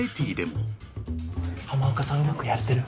浜岡さんうまくやれてる？